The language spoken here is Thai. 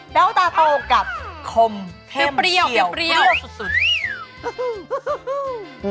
แปลวตาโตกับคมเท่มเฉี่ยวเพรือวสุด